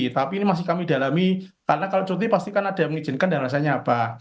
tapi ini masih kami dalami karena kalau cuti pasti kan ada yang mengizinkan dan rasanya apa